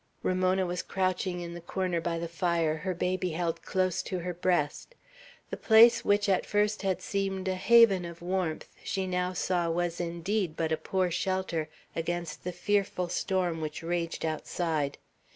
Ramona was crouching in the corner by the fire, her baby held close to her breast. The place which at first had seemed a haven of warmth, she now saw was indeed but a poor shelter against the fearful storm which raged outside.